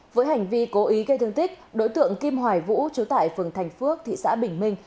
với hành vi cố ý gây thương tích đối tượng kim hoài vũ chú tại phường thành phước thị xã bình minh